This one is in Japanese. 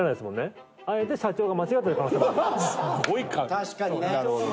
確かにね。